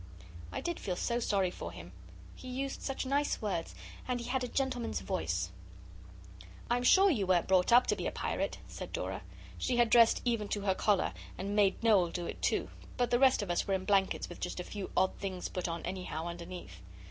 I did feel so sorry for him. He used such nice words, and he had a gentleman's voice. 'I'm sure you weren't brought up to be a pirate,' said Dora. She had dressed even to her collar and made Noel do it too but the rest of us were in blankets with just a few odd things put on anyhow underneath.